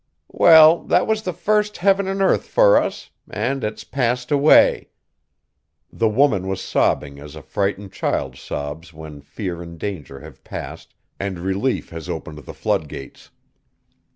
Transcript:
"Well, that was the first heaven an' earth fur us, an' it's passed away!" The woman was sobbing as a frightened child sobs when fear and danger have passed and relief has opened the flood gates.